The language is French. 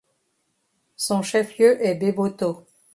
Son chef-lieu est Béboto.